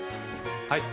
はい。